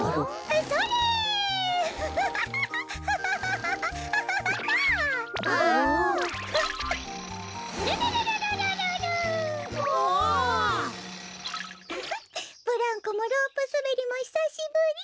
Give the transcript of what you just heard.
フフッブランコもロープすべりもひさしぶり。